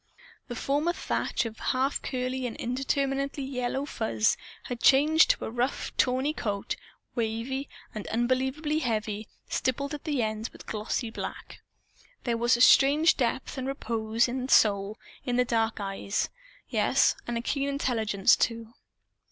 The former thatch of half curly and indeterminately yellowish fuzz had changed to a rough tawny coat, wavy and unbelievably heavy, stippled at the ends with glossy black. There was a strange depth and repose and Soul in the dark eyes yes, and a keen intelligence, too.